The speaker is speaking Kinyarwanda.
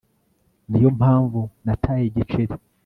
Ni yo mpamvu nataye igiceri